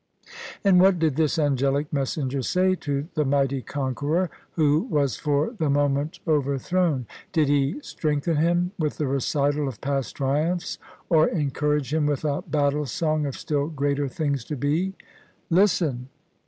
And what did this angelic messenger say to the mighty conqueror who was for the moment overthrown? Did he strengthen him with the recital of past triumphs, or encour age him with a battle song of still greater things to be? Listen!